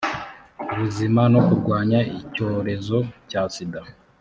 buzima no kurwanya icyorezo cya sida